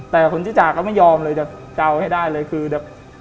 แต่คนที่จากเขาไม่ยอมเลยจะเกาให้ได้เลยคือจะ